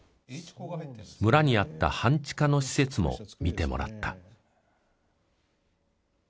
村にあった半地下の施設も見てもらった。